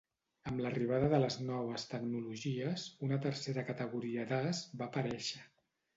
Amb l'arribada de les noves tecnologies, una tercera categoria d'as va aparèixer.